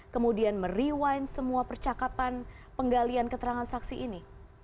kemudian merewind semua percakapan penggalian keterangan saksi ini